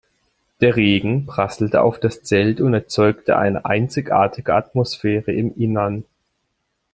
Der Regen prasselte auf das Zelt und erzeugte eine einzigartige Atmosphäre im Innern.